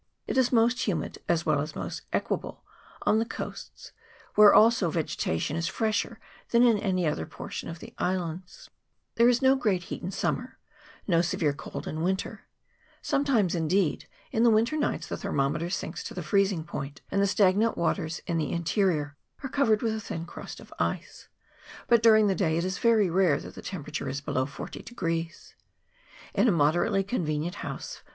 It is most humid, as well as most equable, on the coasts, where also vegetation is fresher than in any other portion of the islands ; there is no great heat in sum mer, no severe cold in winter ; sometimes, indeed, in the winter nights the thermometer sinks to the freezing point, and the stagnant waters in the in terior are covered with a thin crust of ice ; but during the day it is very rare that the temperature is below 40. In a moderately convenient house N2 180 CLIMATE OF [PART I.